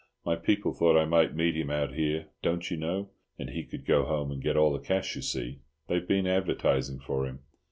"My people thought I might meet him out here, don't you know—and he could go home and get all the cash, you see. They've been advertising for him."